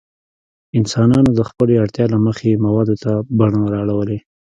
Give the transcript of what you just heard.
انسانانو د خپلې اړتیا له مخې موادو ته بڼه اړولې.